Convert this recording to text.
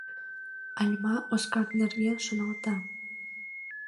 Альма Оскар нерген шоналта.